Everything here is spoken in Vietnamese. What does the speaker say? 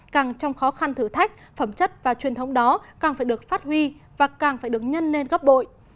càng trong khó khăn thử thách phẩm chất và truyền thống đó càng phải được phát huy và càng phải được nhân nên góp bội